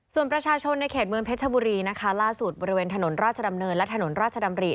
ส่วนประชาชนในเขตเมืองเพชรบุรีนะคะล่าสุดบริเวณถนนราชดำเนินและถนนราชดำริ